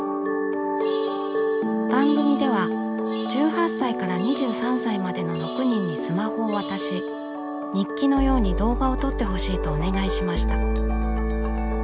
番組では１８歳から２３歳までの６人にスマホを渡し日記のように動画を撮ってほしいとお願いしました。